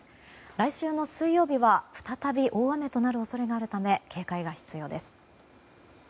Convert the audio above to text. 来週の水曜日は再び大雨となる恐れがあるため警戒が必要です。